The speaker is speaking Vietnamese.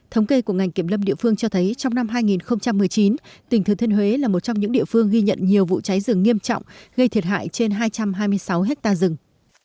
thống kê của ngành kiểm lâm địa phương cho thấy trong năm hai nghìn một mươi chín tỉnh thừa thiên huế là một trong những địa phương ghi nhận nhiều vụ cháy rừng nghiêm trọng gây thiệt hại trên hai trăm hai mươi sáu hectare rừng